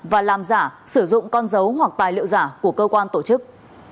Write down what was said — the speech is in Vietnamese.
và làm giả sử dụng con dấu hoặc tài liệu giả của cơ quan tổ chức